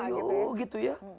iya gitu ya